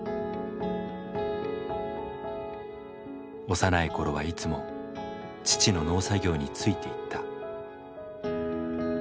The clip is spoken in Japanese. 幼い頃はいつも父の農作業についていった。